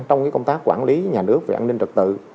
trong công tác quản lý nhà nước về an ninh trật tự